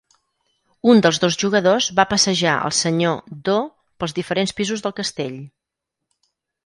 Un dels dos jugadors va passejar el Senyor Do pels diferents pisos del castell.